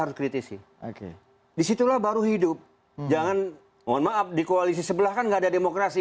harus kritisi oke disitulah baru hidup jangan mohon maaf di koalisi sebelah kan enggak ada demokrasi